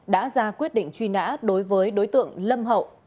đã ra quyết định truy nã đối với đối tượng lâm hậu